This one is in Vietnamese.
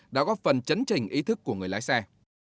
đã góp phần chấn trình ý thức của người lái xe